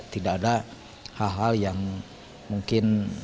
tidak ada hal hal yang mungkin